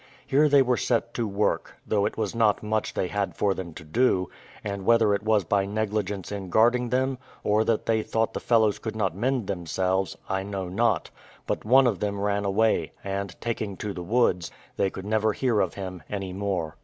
Here they were set to work, though it was not much they had for them to do; and whether it was by negligence in guarding them, or that they thought the fellows could not mend themselves, I know not, but one of them ran away, and, taking to the woods, they could never hear of him any more.